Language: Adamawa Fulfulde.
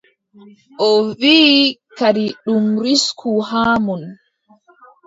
O wiʼi kadi ɗum risku haa mon.